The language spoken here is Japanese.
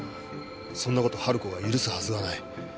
そんな事春子が許すはずがない。